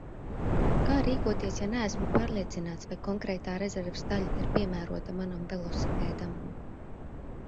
Kā rīkoties, ja neesmu pārliecināts, vai konkrētā rezerves daļa ir piemērota manam velosipēdam?